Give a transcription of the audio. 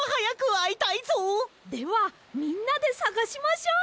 ではみんなでさがしましょう！